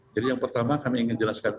jadi yang pertama kami ingin jelaskan